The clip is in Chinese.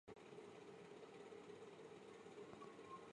这样的用水会造成严重的经济和生态方面的影响。